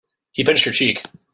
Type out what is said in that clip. He pinched her cheek.